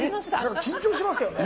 緊張しますよね。